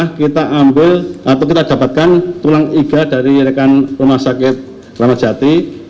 kita ambil atau kita dapatkan tulang iga dari rekan rumah sakit ramadjati